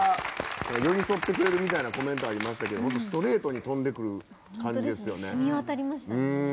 寄り添ってくれるみたいなコメントありましたけど本当、ストレートに飛んでくる感じですよね。